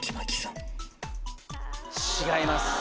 違います